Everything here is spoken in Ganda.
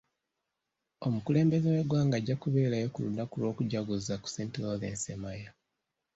Omukulembeze w'eggwanga ajja kubeerayo ku lunaku lw'okujaguza ku St. Lawrence e Maya.